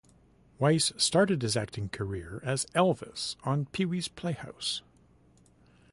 Weiss started his acting career as Elvis on Pee-wee's Playhouse.